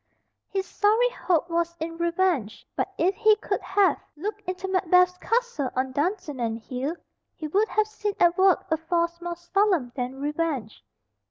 His sorry hope was in revenge, but if he could have looked into Macbeth's castle on Dunsinane Hill, he would have seen at work a force more solemn than revenge.